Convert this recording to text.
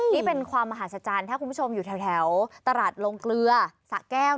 นี่เป็นความมหาศจรรย์ถ้าคุณผู้ชมอยู่แถวตลาดลงเกลือสะแก้ว